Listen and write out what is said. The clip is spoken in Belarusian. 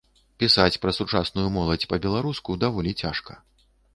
Пісаць пра сучасную моладзь па-беларуску даволі цяжка.